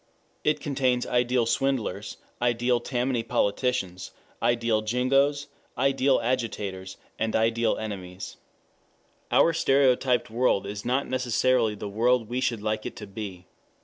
It contains ideal swindlers, ideal Tammany politicians, ideal jingoes, ideal agitators, ideal enemies. Our stereotyped world is not necessarily the world we should like it to be.